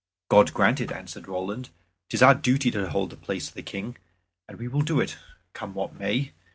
"God grant it," answered Roland. "'Tis our duty to hold the place for the King, and we will do it, come what may.